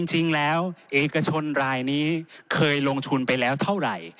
จริงแล้วเอกชนรายนี้เคยลงทุนไปแล้วเท่าไหร่